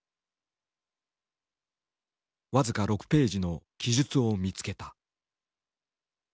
僅か６ページの記述を見つけた。